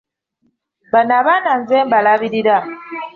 Bano abaana nze mbalabirira.